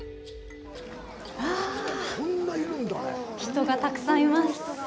うわ、人がたくさんいます。